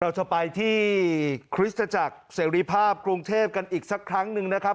เราจะไปที่คริสตจักรเสรีภาพกรุงเทพกันอีกสักครั้งหนึ่งนะครับ